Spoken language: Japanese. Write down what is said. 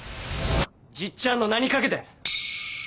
じっちゃんの名にかけて！